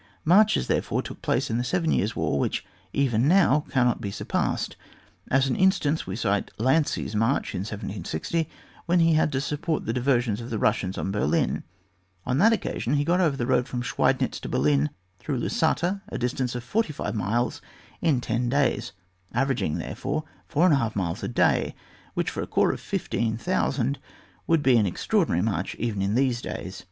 Marches, therefore, took place in the Seven Years' War, which even now cannot be surpassed ; as an instance we cite Lascy's march in 1760, when he had to support the diversion of the Russians on Berlin, on that occasion he got over the road from Schweidnitz to Berlin through Lusatia, a distance of forty five miles, in ten days, averaging, therefore, 4^ miles a day, which, for a corps of 15,000, would be an extraordinary march even in these days.